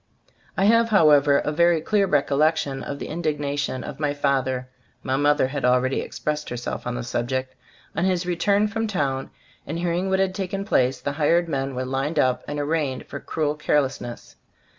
I have, however, a very clear recol lection of the indignation of my fath er (my mother had already expressed herself on the subject), on his return from town and hearing what had taken place. The hired men were lined up and arraigned for "cruel carelessness."